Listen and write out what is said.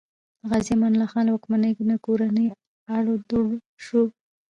د غازي امان الله خان له واکمنۍ نه کورنی اړو دوړ شو.